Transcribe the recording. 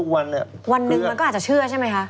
วันหนึ่งมันก็อาจจะเชื่อใช่ไหมคะ